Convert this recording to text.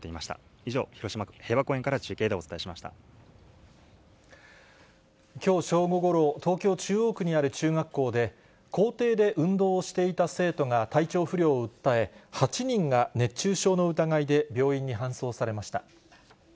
以上、広島・平和公園から中継できょう正午ごろ、東京・中央区にある中学校で、校庭で運動をしていた生徒が体調不良を訴え、８人が熱中症の疑いで病院に搬送されました。